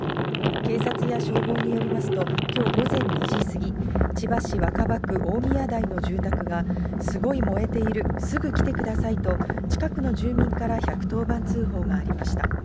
警察や消防によりますと、きょう午前２時過ぎ、千葉市若葉区おおみやだいの住宅が、すごい燃えている、すぐ来てくださいと、近くの住民から１１０番通報がありました。